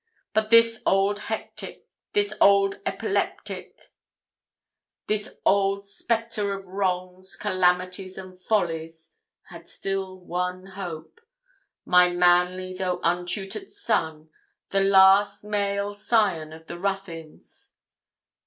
But this old hectic this old epileptic this old spectre of wrongs, calamities, and follies, had still one hope my manly though untutored son the last male scion of the Ruthyns.